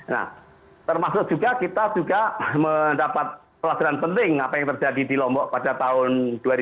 nah termasuk juga kita juga mendapat pelajaran penting apa yang terjadi di lombok pada tahun dua ribu dua